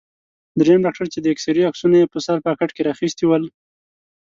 دریم ډاکټر چې د اېکسرې عکسونه یې په سر پاکټ کې را اخیستي ول.